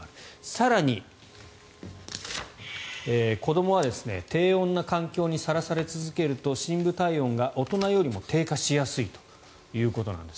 更に、子どもは低温な環境にさらされ続けると深部体温が大人よりも低下しやすいということです。